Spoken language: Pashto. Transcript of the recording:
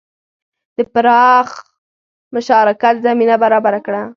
د پراخ مشارکت زمینه برابره کړه.